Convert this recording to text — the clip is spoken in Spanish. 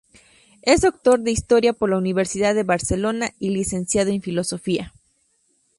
Es doctor en Historia por la Universidad de Barcelona y licenciado en Filosofía.